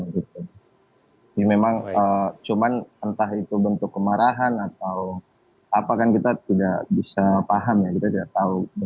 ini memang cuman entah itu bentuk kemarahan atau apa kan kita tidak bisa paham ya kita tidak tahu